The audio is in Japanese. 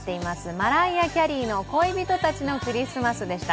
マライア・キャリーの「恋人たちのクリスマス」でした。